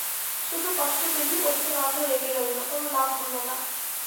শুধু কষ্ট পেলি, ওদিকে নন্দ রেগে রইল, কোনো লাভ হল না।